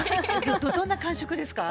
どんな感触ですか？